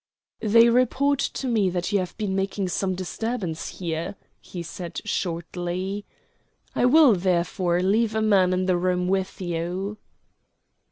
"They report to me that you have been making some disturbance here," he said shortly. "I will, therefore, leave a man in the room with you."